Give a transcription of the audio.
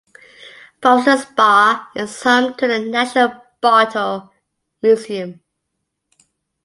Ballston Spa is home to the National Bottle Museum.